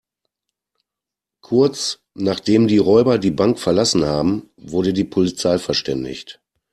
Kurz, nachdem die Räuber die Bank verlassen haben, wurde die Polizei verständigt.